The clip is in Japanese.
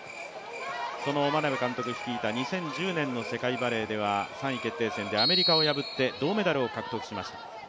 その眞鍋監督率いた２０１０年の世界バレーでは３位決定戦でアメリカを破って銅メダルを獲得しました。